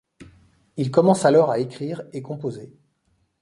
Il commence alors à écrire et composer.